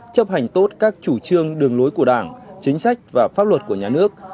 chấp hành tốt các chủ trương đường lối của đảng chính sách và pháp luật của nhà nước